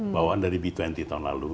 bawaan dari b dua puluh tahun lalu